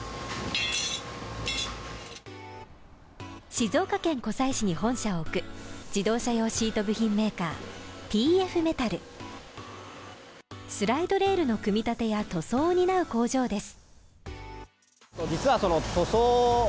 静岡県湖西市に本社を置く自動車用シート部品メーカー、ＴＦ−ＭＥＴＡＬ、スライドレールの組み立てや塗装を担う工場です。